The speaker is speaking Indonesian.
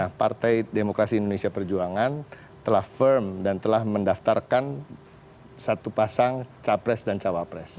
nah partai demokrasi indonesia perjuangan telah firm dan telah mendaftarkan satu pasang capres dan cawapres